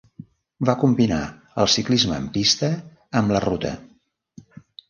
Va combinar el ciclisme en pista amb la ruta.